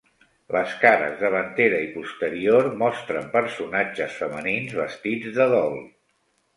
Les cares davantera i posterior mostren personatges femenins vestits de dol.